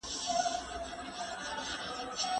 دغه ټیکنالوجي د اقلیمي شرایطو څارنه کوي.